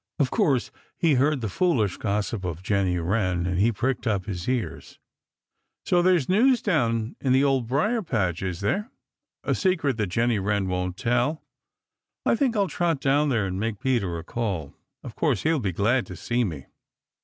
Of course he heard the foolish gossip of Jenny Wren and he pricked up his ears. "So there's news down in the Old Briar patch, is there? A secret that Jenny Wren won't tell? I think I'll trot down there and make Peter a call. Of course he'll be glad to see me."